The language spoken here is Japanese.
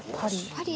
「パリ」。